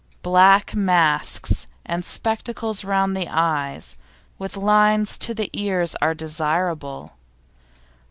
Black masks, and spectacles round the eyes, with lines to the ears, are desirable.